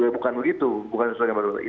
bukan begitu bukan sesuai dengan fakta persidangan